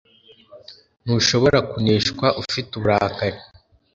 ntushobora kuneshwa ufite uburakari.